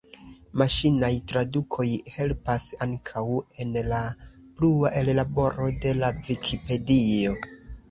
Maŝinaj tradukoj helpas ankaŭ en la plua ellaboro de la Vikipedio.